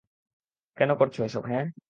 কেন করছো এসব, হ্যাঁ?